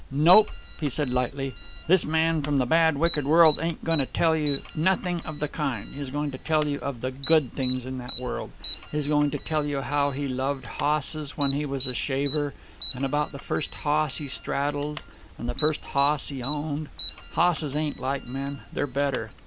"Nope," he said lightly, "this man from the bad, wicked world ain't going to tell you nothing of the kind. He's going to tell you of the good things in that world. He's going to tell you how he loved hosses when he was a shaver, and about the first hoss he straddled, and the first hoss he owned. Hosses ain't like men. They're better.